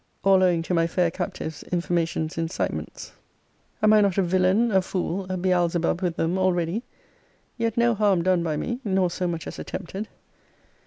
All owing to my fair captive's informations incitements. Am I not a villain, a fool, a Beelzebub, with them already? Yet no harm done by me, nor so much as attempted?